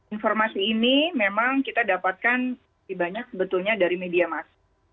informasi ini memang kita dapatkan di banyak sebetulnya dari media mas